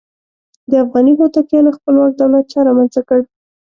د افغاني هوتکیانو خپلواک دولت چا رامنځته کړ؟